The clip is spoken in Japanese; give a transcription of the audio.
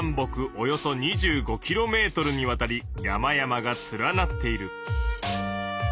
およそ２５キロメートルにわたり山々が連なっている。